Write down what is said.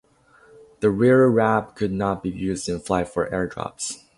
The rear ramp could not be used in flight for air drops.